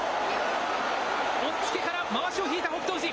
おっつけからまわしを引いた北勝富士。